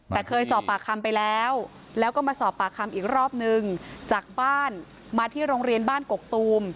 แต่เคยสอบปากคำไปแล้วแล้วก็มาสอบปากคำอีกรอบนึงจากบ้านมาที่โรงเรียนบ้านกกตูม